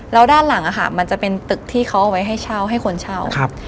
แล้วด้านหลังอะค่ะมันจะเป็นตึกที่เขาเอาไว้ให้เช่าให้คนเช่าครับ